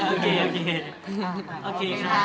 โอเคครับ